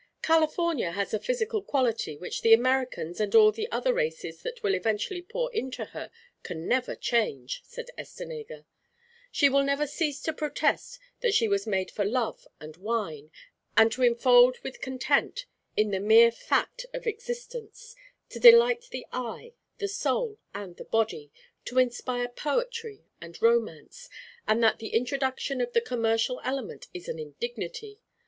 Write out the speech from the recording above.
"California has a physical quality which the Americans and all the other races that will eventually pour into her can never change," said Estenega. "She will never cease to protest that she was made for love and wine and to enfold with content in the mere fact of existence, to delight the eye, the soul, and the body, to inspire poetry and romance, and that the introduction of the commercial element is an indignity.